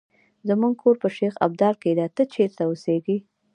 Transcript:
زمونږ کور په شیخ ابدال کې ده، ته چېرې اوسیږې؟